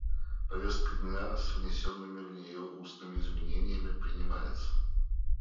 Повестка дня с внесенными в нее устными изменениями принимается.